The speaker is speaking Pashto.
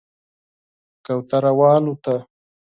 کوتره والوته